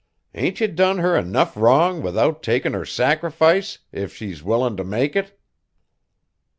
Ain't ye done her enough wrong without takin' her sacrifice, if she's willin' t' make it?"